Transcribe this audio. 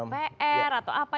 kpr atau apa